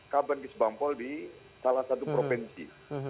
kaben kisbangpol di salah satu provinsi